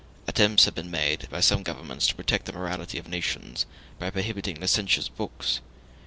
Attempts have been made by some governments to protect the morality of nations by prohibiting licentious books.